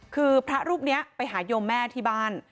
คือพระรูปนี้ไปหาโยมแม่ที่บ้าน